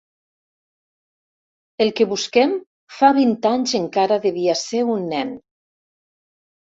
El que busquem fa vint anys encara devia ser un nen.